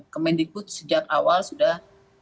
kemendikbud sejak awal sudah